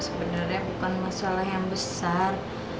sebenarnya bukan masalah yang besar